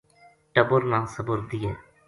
ٹبر نا صبر دیئے